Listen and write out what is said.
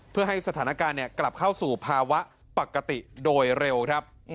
เพื่อให้สถานการณ์กลับเข้าสู่ภาวะปกติโดยเร็วครับ